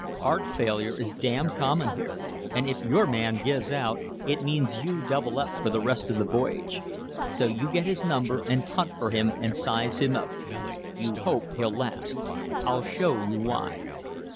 Heart failure is damn common here, and if your man gives out it means you double up for the rest of the voyage. So you get his number and hunt for him and size him up. You hope he'll last. I'll show you why."